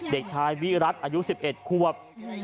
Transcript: เด็กชายวิรัติอายุ๑๑ควบ